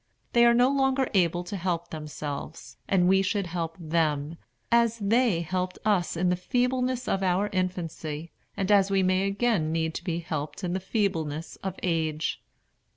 They are no longer able to help themselves; and we should help them, as they helped us in the feebleness of our infancy, and as we may again need to be helped in the feebleness of age.